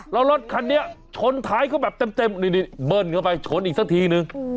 แล้วรถคันนี้ชนท้ายเขาแบบเต็มนี่เบิ้ลเข้าไปชนอีกสักทีนึง